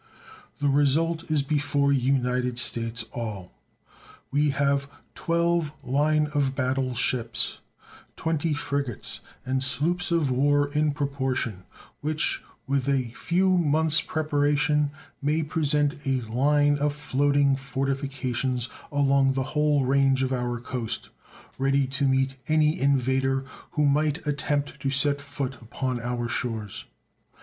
The result is before United States all. We have 12 line of battle ships, 20 frigates, and sloops of war in proportion, which, with a few months preparation, may present a line of floating fortifications along the whole range of our coast ready to meet any invader who might attempt to set foot upon our shores.